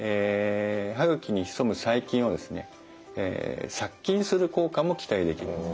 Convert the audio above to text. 歯ぐきに潜む細菌をですね殺菌する効果も期待できるんです。